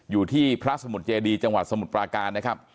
อยู่ที่พระสมุทรเจดีจังหวัดสมุทรปราการนะครับ